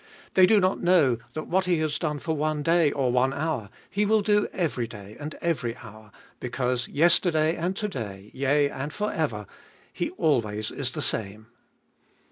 They do not know that what He has done for one day, or one hour, He will do every day and every hour, because yesterday and to day, yea and for ever, He always is the same.